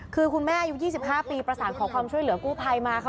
คือคุณแม่อายุ๒๕ปีประสานขอความช่วยเหลือกู้ภัยมาค่ะ